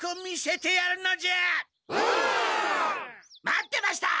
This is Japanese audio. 待ってました！